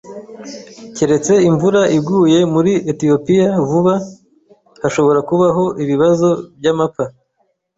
Keretse imvura iguye muri Etiyopiya vuba, hashobora kubaho ibibazo by’amapfa.